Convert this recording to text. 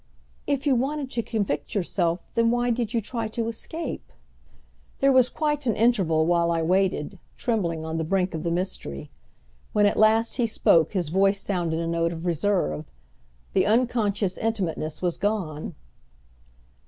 "If you wanted to convict yourself then why did you try to escape?" There was quite an interval while I waited, trembling on the brink of the mystery. When at last he spoke his voice sounded a note of reserve. The unconscious intimateness was gone.